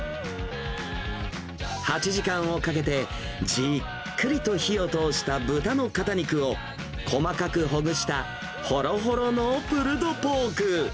８時間をかけて、じっくりと火を通した豚の肩肉を細かくほぐしたほろほろのプルドポーク。